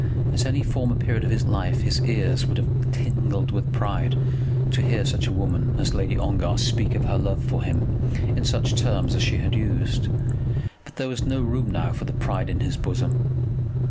At any former period of his life his ears would have tingled with pride to hear such a woman as Lady Ongar speak of her love for him in such terms as she had used; but there was no room now for pride in his bosom.